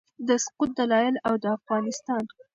د سقوط دلایل او د افغانستان